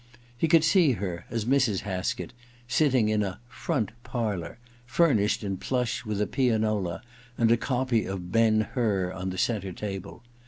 He could see her, as Mrs. Haskett, sitting in a ^ front parlour ' furnished in plush, with a pianola, and a copy of * Ben Hur ' on the centre table.